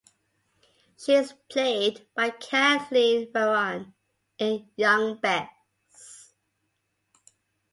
She is played by Kathleen Byron in "Young Bess".